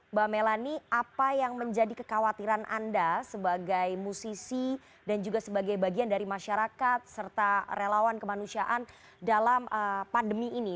mbak melani apa yang menjadi kekhawatiran anda sebagai musisi dan juga sebagai bagian dari masyarakat serta relawan kemanusiaan dalam pandemi ini